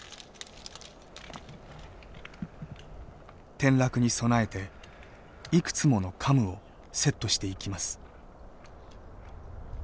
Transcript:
転落に備えていくつものカムをセットしていきます。